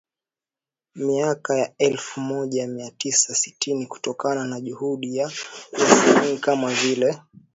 miaka ya elfu moja mia tisa sitini kutokana na juhudi ya wasanii kama vile